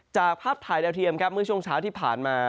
ภาพถ่ายดาวเทียมครับเมื่อช่วงเช้าที่ผ่านมา